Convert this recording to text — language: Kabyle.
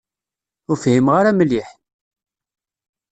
Ur fhimeɣ ara mliḥ.